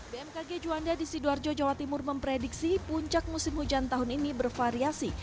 bmkg juanda di sidoarjo jawa timur memprediksi puncak musim hujan tahun ini bervariasi